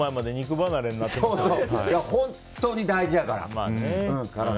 本当に大事やから、体。